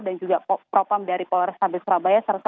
dan juga propam dari polres sabi surabaya